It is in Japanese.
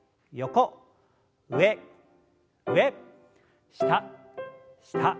上上下下。